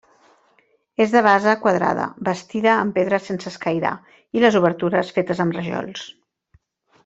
És de base quadrada, bastida amb pedra sense escairar i les obertures fetes amb rajols.